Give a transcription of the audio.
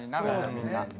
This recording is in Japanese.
みんな。